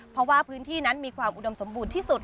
เพราะว่าพื้นที่นั้นมีความอุดมสมบูรณ์ที่สุด